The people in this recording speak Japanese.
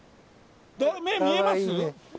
見えます。